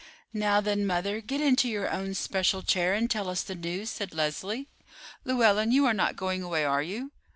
"Now, then, mother, get into your own special chair and tell us the news," said Leslie.—"Llewellyn, you are not going away, are you?"